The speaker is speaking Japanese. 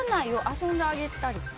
遊んであげたりする。